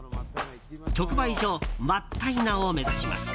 直売所わったいなを目指します。